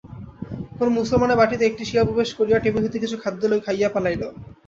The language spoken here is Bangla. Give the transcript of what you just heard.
কোন মুসলমানের বাটীতে একটি শিয়াল প্রবেশ করিয়া টেবিল হইতে কিছু খাদ্য খাইয়া পলাইল।